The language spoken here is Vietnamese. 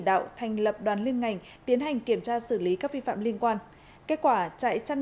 đạo thành lập đoàn liên ngành tiến hành kiểm tra xử lý các vi phạm liên quan kết quả trại chăn